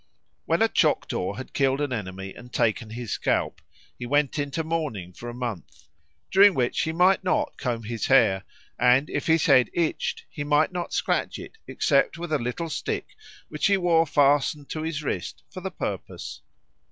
When a Choctaw had killed an enemy and taken his scalp, he went into mourning for a month, during which he might not comb his hair, and if his head itched he might not scratch it except with a little stick which he wore fastened to his wrist for the purpose.